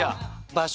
「場所」